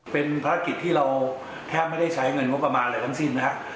เป็นภารกิจที่เราแทบไม่ได้ใช้เงินงบประมาณอะไรทั้งสิ้นนะครับ